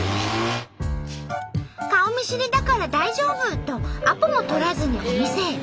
顔見知りだから大丈夫とアポも取らずにお店へ。